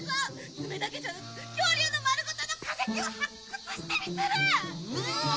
爪だけじゃなく恐竜の丸ごとの化石を発掘してみせる！